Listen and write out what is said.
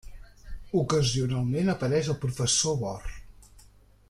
Ocasionalment apareix el Professor Bor.